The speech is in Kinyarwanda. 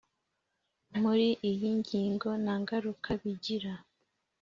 muri iyi ngingo nta ngaruka bigira